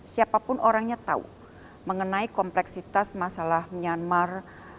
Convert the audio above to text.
siapapun orangnya tahu mengenai kompleksitas masalah myanmar